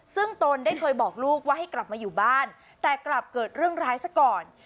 ซึ่งตนได้เคยบอกลูกว่าให้กลับมาอยู่บ้านแต่กลับเกิดเรื่องร้ายซะก่อน